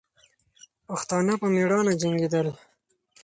پښتانه په میړانه جنګېدل.